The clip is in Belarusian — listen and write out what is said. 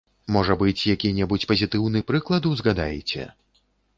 Можа быць, які-небудзь пазітыўны прыклад узгадаеце?